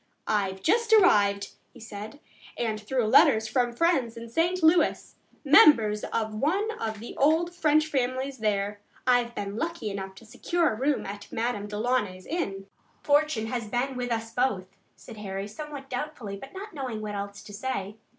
"I've just arrived," he said, "and through letters from friends in St. Louis, members of one of the old French families there, I've been lucky enough to secure a room at Madame Delaunay's inn." "Fortune has been with us both," said Harry, somewhat doubtfully, but not knowing what else to say.